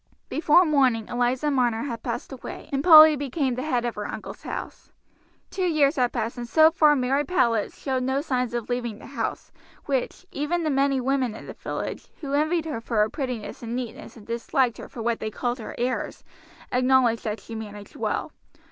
Before morning Eliza Marner had passed away, and Polly became the head of her uncle's house. Two years had passed, and so far Mary Powlett showed no signs of leaving the house, which, even the many women in the village, who envied her for her prettiness and neatness and disliked her for what they called her airs, acknowledged that she managed well.